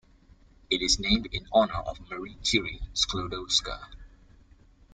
It is named in honour of Marie Curie-Sklodowska.